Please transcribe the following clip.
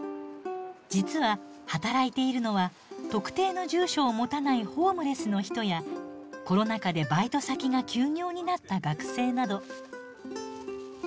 実は働いているのは特定の住所を持たないホームレスの人やコロナ禍でバイト先が休業になった学生など。